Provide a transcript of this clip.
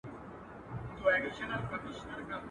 پياز څه کوم، نياز ئې څه کوم.